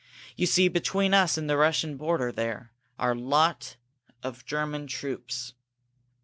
You see, between us and the Russian border there are a lot of German troops.